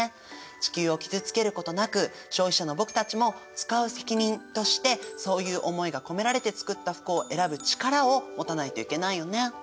地球を傷つけることなく消費者の僕たちも「つかう責任」としてそういう思いが込められて作った服を選ぶ力を持たないといけないよね。